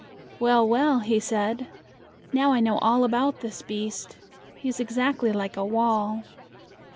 "Well, well!" he said, "now I know all about this beast. He is ex act ly like a wall."